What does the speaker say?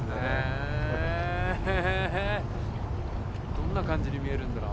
どんな感じに見えるんだろう？